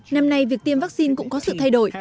năm nay việc tiêm vaccine cũng có sự thay đổi